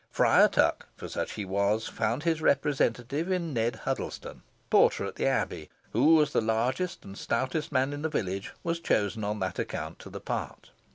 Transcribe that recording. Friar Tuck, for such he was, found his representative in Ned Huddlestone, porter at the abbey, who, as the largest and stoutest man in the village, was chosen on that account to the part.